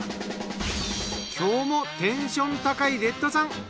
今日もテンション高いレッドさん。